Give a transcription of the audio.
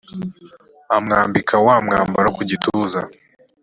amwambika wa mwambaro wo ku gituza